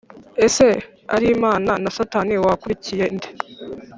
Ese ari Imana nasatani wakurikiye nde